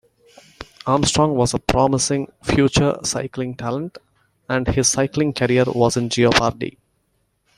Armstrong was a promising future cycling talent and his cycling career was in jeopardy.